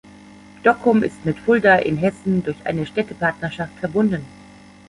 Dokkum ist mit Fulda in Hessen durch eine Städtepartnerschaft verbunden.